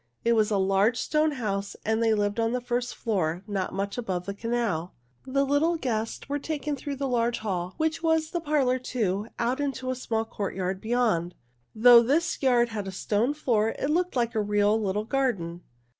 It was a large, stone house, and they lived on the first floor, not much above the canal. The little guests were taken through the large hall, which was the parlor, too, out into a small courtyard beyond. Though this yard had a stone floor, it looked like a real little garden.